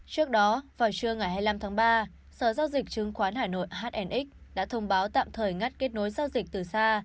trước đó vào trưa ngày hai mươi năm tháng ba sở giao dịch chứng khoán hà nội hnx đã thông báo tạm thời ngắt kết nối giao dịch từ xa